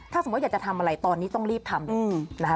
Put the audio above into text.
ถ้าสมมุติอยากจะทำอะไรตอนนี้ต้องรีบทำเลยนะคะ